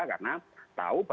karena tahu bahwa